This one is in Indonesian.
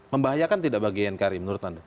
membahayakan tidak bagi nkri menurut anda